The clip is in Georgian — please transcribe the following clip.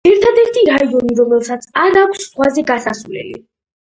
ერთადერთი რაიონი, რომელსაც არ აქვს ზღვაზე გასასვლელი.